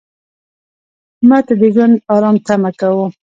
مړه ته د ژوند آرام تمه کوو